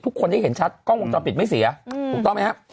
ทุกคนได้เห็นชัดกล้องวงจรปิดไม่เสียถูกต้องไหมครับ